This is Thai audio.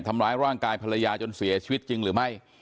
ทำร้ายร่างกายภรรยาจนเสียชีวิตจริงหรือไม่